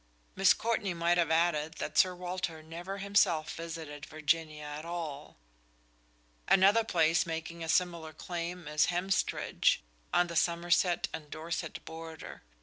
Miss Courtney might have added that Sir Walter never himself visited Virginia at all. Another place making a similar claim is Hemstridge, on the Somerset and Dorset border.